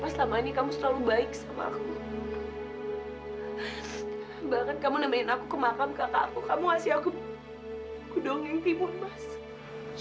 bahkan kamu nemenin aku ke makam kakak aku kamu ngasih aku kudongeng timun mas